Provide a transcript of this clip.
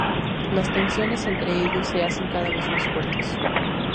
Las tensiones entre ellos se hacen cada vez más fuertes.